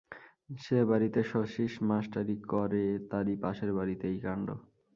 যে বাড়িতে শচীশ মাস্টারি করে তারই পাশের বাড়িতে এই কাণ্ড।